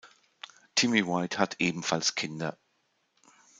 Timmy White hat ebenfalls Kinder.